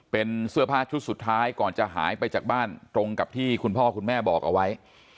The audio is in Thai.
เป็นเสื้อผ้าชุดสุดท้ายก่อนจะหายไปจากบ้านตรงกับที่คุณพ่อคุณแม่บอกเอาไว้